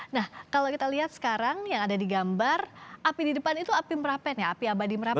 nah kalau kita lihat sekarang yang ada di gambar api di depan itu api merapen ya api abadi merapen